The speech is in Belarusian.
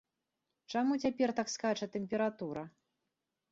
Чаму цяпер так скача тэмпература?